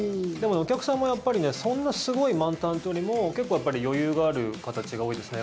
お客さんもやっぱりそんなすごい満タンというよりも結構余裕がある形が多いですね。